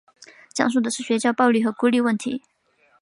讲述的是学校暴力和孤立问题。